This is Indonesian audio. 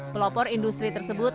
pelopor industri tersebut